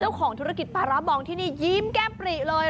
เจ้าของธุรกิจปลาร้าบองที่นี่ยิ้มแก้มปริเลย